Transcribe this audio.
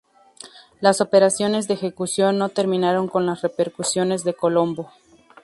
Las operaciones de ejecución no terminaron con las repercusiones de Colombo.